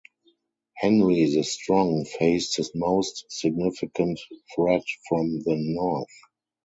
Henry the Strong faced his most significant threat from the north.